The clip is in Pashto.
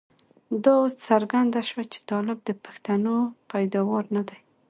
دا اوس څرګنده شوه چې طالب د پښتنو پيداوار نه دی.